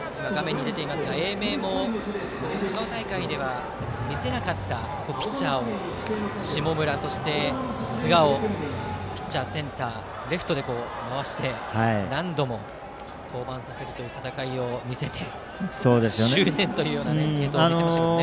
英明も香川大会では見せなかったピッチャー下村、そして寿賀をピッチャー、センター、レフトで回して、何度も登板させる戦いを見せて執念という継投を見せました。